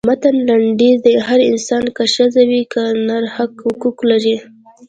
د متن لنډیز هر انسان که ښځه وي که نر حقوق لري.